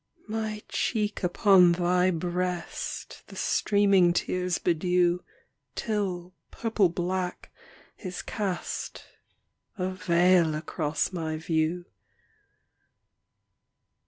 My cheek upon thy breast The streaming tears bedew, Till, purple black, is cast A veil across my view.